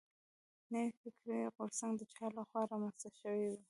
نوی فکري غورځنګ د چا له خوا را منځ ته شوی و.